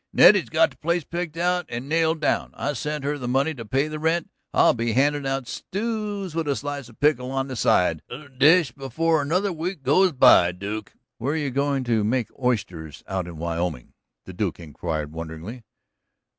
"Nettie's got the place picked out and nailed down I sent her the money to pay the rent. I'll be handin' out stews with a slice of pickle on the side of the dish before another week goes by, Duke." "What are you goin' to make oysters out of in Wyoming?" the Duke inquired wonderingly.